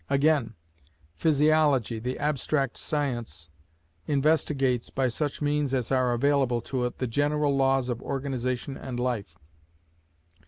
Again, Physiology, the abstract science, investigates, by such means as are available to it, the general laws of organization and life.